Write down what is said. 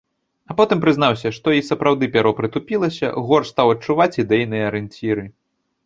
А потым прызнаўся, што і сапраўды пяро прытупілася, горш стаў адчуваць ідэйныя арыенціры.